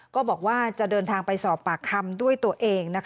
ก็บอกว่าจะเดินทางไปสอบปากคำด้วยตัวเอง